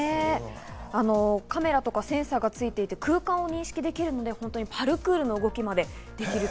カメラとかセンサーがついていて空間を認識できるということで、パルクールの動きまでできる。